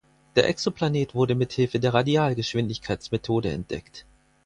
Der Exoplanet wurde mit Hilfe der Radialgeschwindigkeitsmethode entdeckt.